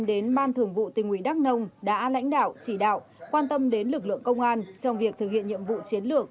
đến ban thường vụ tỉnh uỷ đắc nông đã lãnh đạo chỉ đạo quan tâm đến lực lượng công an trong việc thực hiện nhiệm vụ chiến lược